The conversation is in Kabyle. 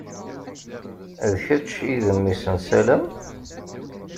D kečč i d mmi-s n Salem?